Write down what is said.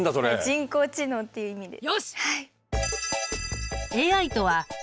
人工知能っていう意味です。